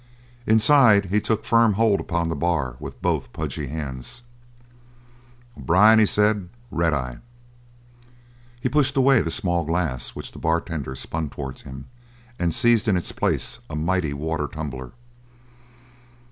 "_ Inside, he took firm hold upon the bar with both pudgy hands. "O'Brien," he said, "red eye." He pushed away the small glass which the bartender spun towards him and seized in its place a mighty water tumbler.